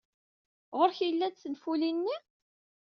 Ɣer-k ay llant tenfulin-nni?